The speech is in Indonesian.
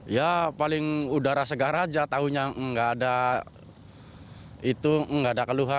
ya paling udara segar aja taunya nggak ada itu nggak ada keluhan